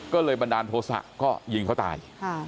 ก็เลยบันดาลโทษะก็ยิงเขาตาย